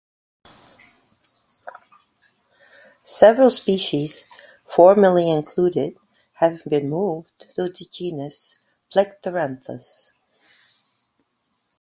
Several species formerly included have been moved to the genus "Plectranthus".